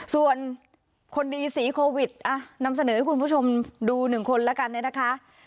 ส่วนคนดีสีโควิดนำเสนอให้คุณผู้ชมดูหนึ่งคนแล้วกันเนี่ยนะคะ